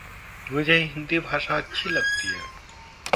मुझे हिंदी भाषा अच्छी लगती है